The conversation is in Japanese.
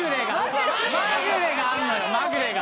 まぐれがあるのよまぐれが。